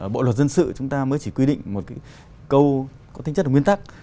bộ luật dân sự chúng ta mới chỉ quy định một cái câu có tính chất là nguyên tắc